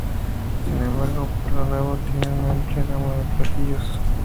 Sin embargo Pueblo Nuevo tiene una amplia gama de platillos.